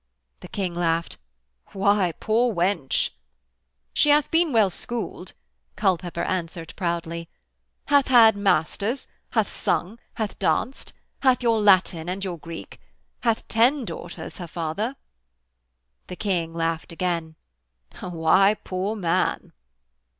The King laughed: 'Why, poor wench!' 'Sh'ath been well schooled,' Culpepper answered proudly, 'hath had mastern, hath sung, hath danced, hath your Latin and your Greek.... Hath ten daughters, her father.' The King laughed again: 'Why, poor man!'